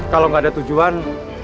kalau enggak ada tujuan